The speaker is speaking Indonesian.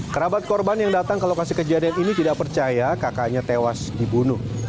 kerabat korban yang datang ke lokasi kejadian ini tidak percaya kakaknya tewas dibunuh